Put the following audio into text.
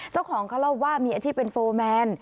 เจ้าของเขาเล่าว่ามีอาชีพเป็นโฟร์แมน